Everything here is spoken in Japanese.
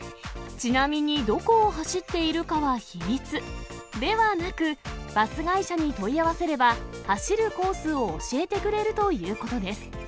ちなみにどこを走っているかは秘密、ではなく、バス会社に問い合わせれば、走るコースを教えてくれるということです。